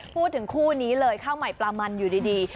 พูดถึงคู่นี้เลยข้าวใหม่ปลามันอยู่ดี